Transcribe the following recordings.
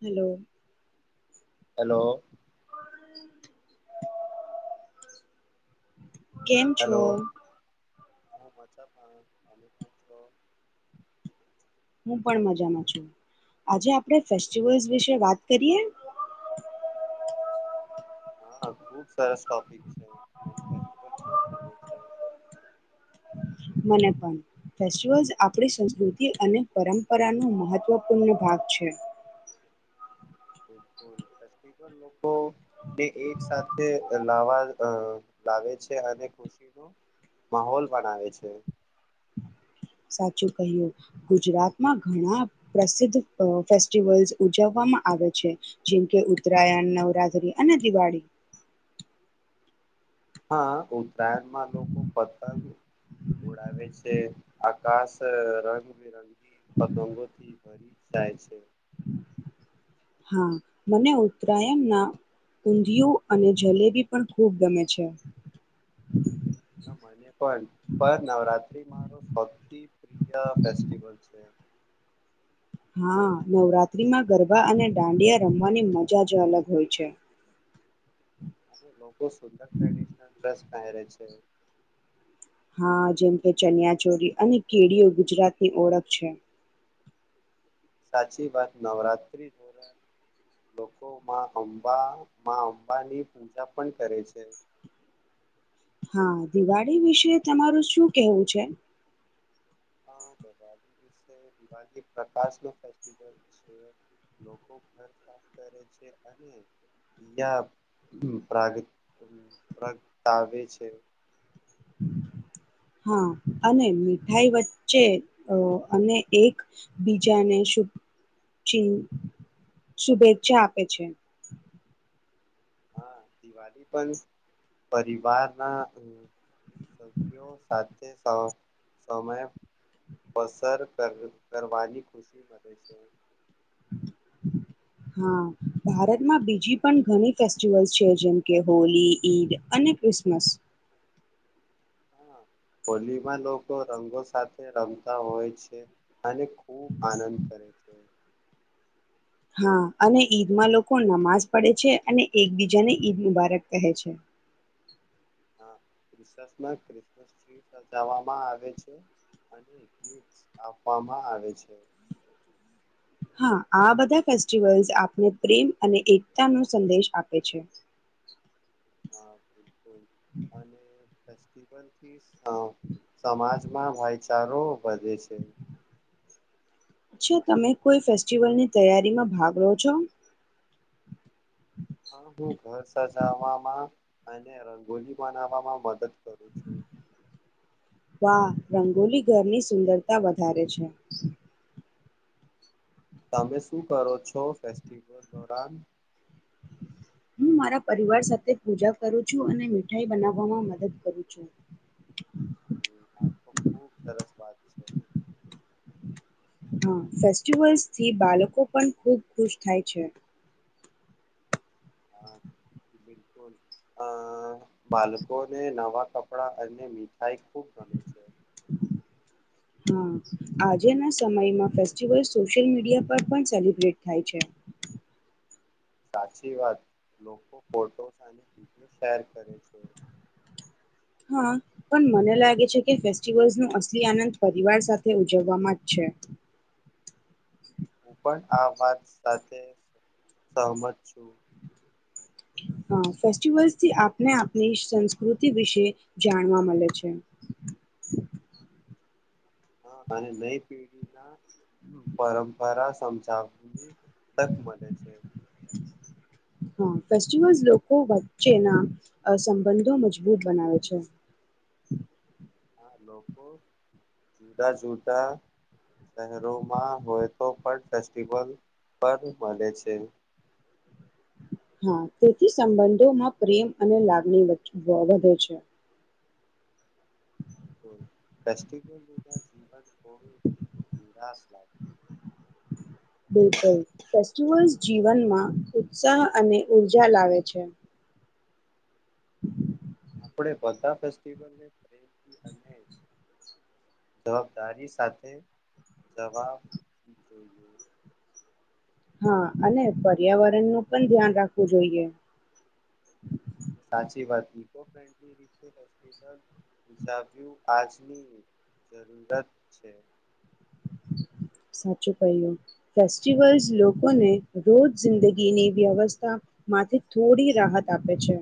Hello hello [inaudible] કેમ છો? Hello હું મચ પણ અને હું પણ મજામાં છું આજે આપણે ફેસ્ટિવલ્સ વિશે વાત કરીએ. હા ખુબ સારસ ટોપિક છે. ફ ગમે છે. મને પણ ફેવ આપણી સંસ્કૃતિ અને પરંપરા ન મહત્વપૂર્ણ ભાગ છે. બિલકુલ ફલ લોકોને એક સાથે લવા લાવે છે અને ખુશીનો માહોલ બનાવે છે. સાચું કહ્યું ગુજરાતમાં ઘણા પ્રસિદ્ધ ફેસ્ટિવલ્સ ઉજવવામાં આવે છે જેમકે ઉત્તરાયણ નવરાત્રી અને દિવાળી હા ઉત્તરાયણમાં લોકો પતંગ ઉડાવે છે આકાશ રંગબિરંગી પતવાંગો થી ભરી જાય છે. હા મને ઉત્તરાયણના ઊંધિયું અને જલેબી પણ ખૂબ ગમે છે. ના મને પણ પણ નવરાત્રી મારો ભક્તિ પ્રિયા ફેવલ છે. હા નવરાત્ર્રીમાં ગરબા અને દાંડિયા રમવાની મજા જ અલગ હોય છે. [inaudible] તો સુધતા ટ્રેડિશનલ ડ્રેસ ક છે. હા જેમ કે ચનિયા ચોરી અને કેડીઓ ગુજરાતની ઓળખ છે. સાચી વાત નવરાત્રી દોરા લોકોમાં અંબા અંબા ની પૂજા પણ કરે છે. હા દિવાળી વિશે તમારું શું કેવું છે. દસે દિ પ્રકાશ ન ફ છે લોકો ઘર સાફ કરે છે અને પ્ર પ્રગટાવે છે. હા અને મીઠાઈ વચ્ચે અને એક બીજાને શુ ચિ શુભેચ્છા આપે છે. હા દિવાળી પણ પરિવારના સભ્યો સાથે સમય પસર કરવાની ખુશી મળે છે. હા ભારતમાં બીજી પણ ઘણી ફેસ્ટિવલ્સ છે જેમ કે હોલી ઈદ અને ક્રિસમસ હ હોલીમાં લોકો રંગો સાથે રમતા હોય છે અને ખૂબ આનંદ કરે છે. હા અને ઈદમાં લોકો નમાજ પડે છે અને એકબીજાને ઈદ મુબારક કહે છે. ક્રિસમસમાં ક્રિસમસ ટ્રી સજવામાં આવે છે અને ગી આપવામાં આવે છે. હા આ બધા ફેસ્ટિવલ્સ આપને પ્રેમ અને એકતા નો સંદેશ આપે છે. હા બિલકુલ અને ફેસ્ટિવલથી હા સમાજમાં ભાઈચારો વધજે છે. છા તમે કોઈ ફેસ્ટિવલની તૈયારીમાં ભાગ લો છો. હા બો ઘર સજાવામાં અને રંગોલી બનાવવામાં મદદ કરું છું. વાહ રંગોલી ઘરની સુંદરતા વધારે છે. તમે શું કરો છો. ફેસ્ટિવલ દોરન હું મારા પરિવાર સાથે પૂજા કરું છું અને મીઠાઈ બનાવવામાં મદદ કરું છું. હ આ તો ખુબ સરસ વાત છે. હા ફેસ્ટિવલ્સથી બાળકો પણ ખૂબ ખુશ થાય છે. હા [inaudible] બિલકુલ અ બાળકો ને નવા કપડા અને મીઠાઈ ખુબ ગમે છે. હા આજેના સમયમાં ફેસ્ટિવલ સોશિયલ મીડિયા પર પણ સેલિબ્રેટ થાય છે. સાચી વાત લોકો ફોટોસ અને શેર કરે છે. હા પણ મને લાગે છે કે ફેસ્ટિવલ્સનો અસલી આનંદ પરિવાર સાથે ઉજવવામાં જ છે. હું પણ આ વાત સાથે સહમત છું. હ ફેસ્ટિવલ્સથી આપને આપની સંસ્કૃતિ વિશે જાણવા મળે છે. હા અને નઈ પેઢી ના પરંપરા સમજાવની તક મળે છે. હમ્મ ફેસ્ટિવલ્સ લોકો વચ્ચેના સંબંધો મજબૂત બનાવે છે. લોકો જુદા જુદા શહેરોમાં હોય તો પણ ફેસ્ટિવલ પર મળે છે. હા તેથી સંબંધોમાં પ્રેમ અને લાગણી વધે છે. [inaudible] પ્લાસ્ટિક. [inaudible] બિલકુલ ફેસ્ટિવલ્સ જીવનમાં ઉત્સાહ અને ઊર્જા લાવે છે. આપડે બધા ફેસ્ટિવલ ને. [inaudible] જવાબદારી સાથે [unintelligible] હા અને પર્યાવરણ નું પણ ધ્યાન રાખવું જોઈએ. સાચી વાત આજની જરૂરત છે. સાચું કહ્યું ફેસ્ટિવલ્સ લોકોને રોજ જિંદગીની વ્યવસ્થામાંથી થોડી રાહત આપે છે.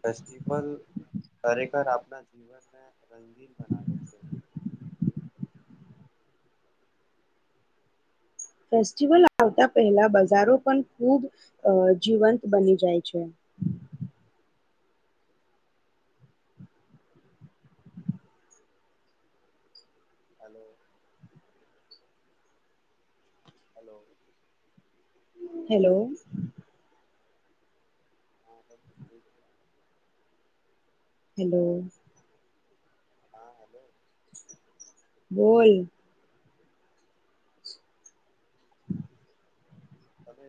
ફેસ્ટલ ખરેખર આપણા ફેસ્ટિવલ આવતા પહેલા બજારો પણ ખૂબ અ જીવંત બની જાય છે. [inaudible] [inaudible] હેલો. [inaudible] હલો. [inaudible] બોલ.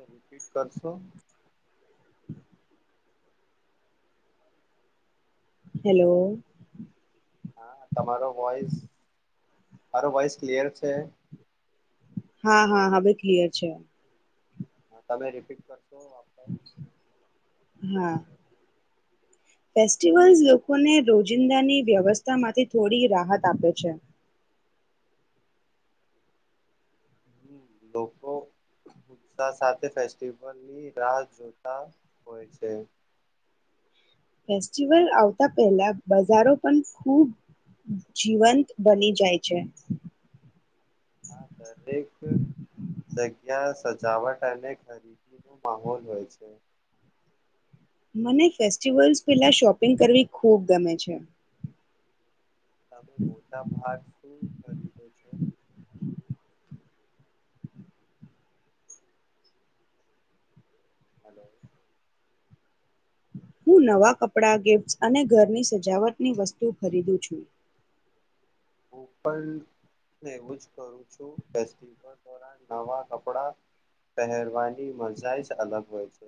રિપીટ કરશો? હેલો. હા તમારો વોઈસ મારો વોઇસ ક્લિયર છે. હા હા હવે ક્લિયર છે. હા તમે રિપીટ કરશો. [inaudible] હા. ફેસ્ટિવલ્સ લોકોને રોજિંદાની વ્યવસ્થામાંથી થોડી રાહત આપે છે. લોકો [unintelligible] સાથે ફેસ્ટિવલની રાહ જોતા હોય છે. ફેસ્ટિવલ આવતા પહેલા બજારો પણ ખૂબ જીવંત બની જાય છે. આ દરેક જવટ એને ખરી માહોલ હોય છે. મને ફેસ્ટિવલ્સ પહેલા શોપિંગ કરવી ખૂબ ગમે છે. તમે મોટા ભાગ શું ખરીદો છો. [inaudible] હું નવા કપડાં ગિફ્ટ્સ અને ઘરની સજાવટની વસ્તુ ખરીદું છું. હું પણ એવું જ કરું છું ફેસ્ટલ દોરાન નવા કપડા પહેરવાની મજાયે જ અલગ હોય છે.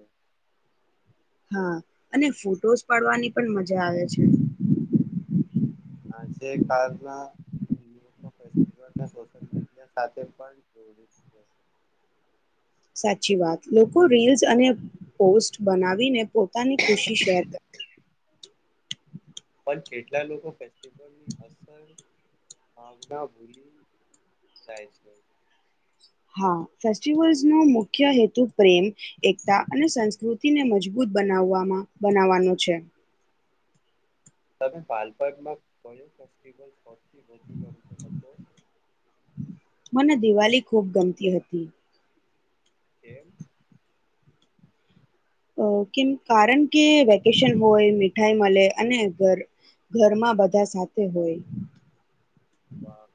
હા અને ફોટોસ પાડવાની પણ મજા આવે છે. આજે કાલ ના [unintelligible] સોશલ મીડિયા સાથે પણ સાચી વાત લોકો રીલ્સ અને પોસ્ટ બનાવીને પોતાની ખુશી શેર કર પણ કેટલા લોકો ફેસ્ટિ [unintelligible] અસર માવડા ભૂલી જાય છે. હા ફેસ્ટિવલ્સનો મુખ્ય હેતુ પ્રેમ એકતા અને સંસ્કૃતિને મજબૂત બનાવવામાં બનાવવાનો છે. તમે બાળપણમાં કોની ફેસ્ટિવ સૌથી વધુ [unintelligible] મને દિવાળી ખૂબ ગમતી હતી. કેમ. કેમ કારણ કે વેકેશન હોય મીઠાઈ મળે અનેર ઘર ઘરમાં બધા સાથે હોય. વાહ.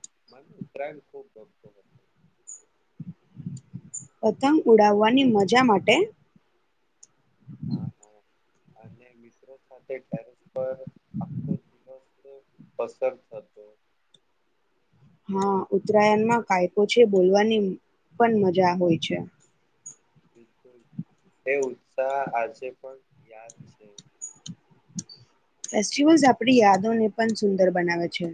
મને ઉતરાયણ ખુબ ગમતો. પતંગ ઉડાવવાની મજા માટે. હા. અને મિત્રો સાથે ટેરસ પર આખો દિવસ પસર થતો. હા ઉત્તરાયણમાં કાયપો છે બોલવાની પણ મજા હોય છે. એ ઉત્સાહ આજે પણ યાદ છે. ફેસ્ટિવલ્સ આપણી યાદોને પણ સુંદર બનાવે છે.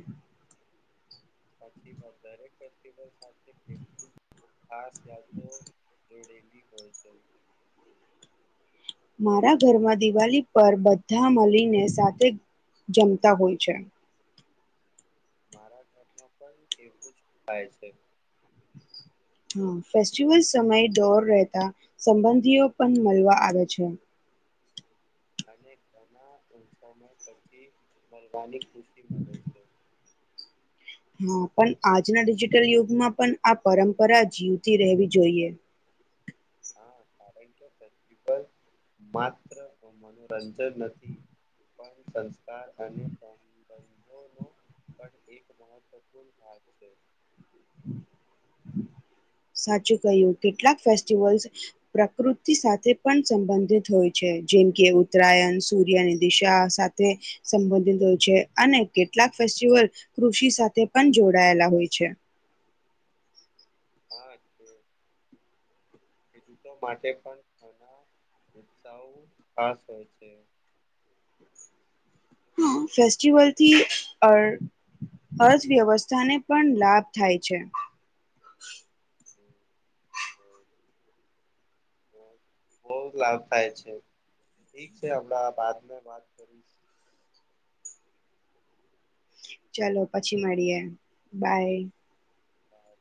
[unintelligible] જોડેગી હોય છે. મારા ઘરમાં દિવાળી પર બધા મળીને સાથે જમતા હોય છે. મારા ઘર માં પણ એવું જ થાય છે. હ ફેસ્ટિવલ સમયે દોર રહેતા સંબંધીઓ પણ મળવા આવે છે. અને ઘણા ઉસય પછી મળરવાની ખુશી મળે છે. હા પણ આજના ડિજિટલ યુગમાં પણ આ પરંપરા જીવતી રહેવી જોઈએ. હા કારણ કે [unintelligible] માત્ર મનોરંજન નથી પણ સં સંસ્કાર અને [unintelligible] સંંધો નો બટ એક મહત્વપૂર્ણ ભાગ છે. હમ હમ સાચું કહ્યું કેટલાક ફેસ્ટિવલસ પ્રાકૃતિ સાથે પણ સંબંધિત હોય છે, જેમ કે ઉત્તરાયણ સૂર્યની દિશા સાથે સંબંધિત હોય છે, અને કેટલાક ફેસ્ટિવલ કૃષિ સાથે પણ જોડાયેલા હોય છે. હા છે ખેડૂતો માટે પણ ઘણા ઉત્સાહો ખાસ હોય છે. ફેસ્ટિવલથી અર અર્થવ્યવસ્થાને પણ લાભ થાય છે. બઉ લાભ થાય છે ઠીક છે હમણાં બાદમે બાત કરીશ. ચલો પછી મળીએ બાય. હા